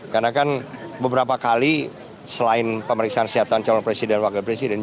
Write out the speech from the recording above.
karena kan beberapa kali selain pemeriksaan kesehatan calon presiden wakil presiden